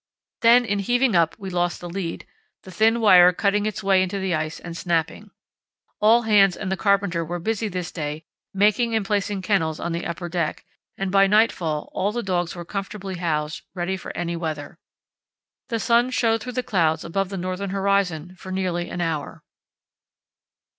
Then in heaving up we lost the lead, the thin wire cutting its way into the ice and snapping. All hands and the carpenter were busy this day making and placing kennels on the upper deck, and by nightfall all the dogs were comfortably housed, ready for any weather. The sun showed through the clouds above the northern horizon for nearly an hour.